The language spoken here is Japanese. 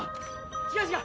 違う違う！